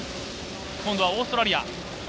今度はオーストラリア。